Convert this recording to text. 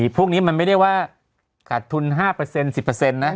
พวกนี้มันไม่ได้ว่าขาดทุน๕๑๐นะ